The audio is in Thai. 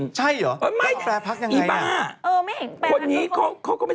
คือแปรพักยังไง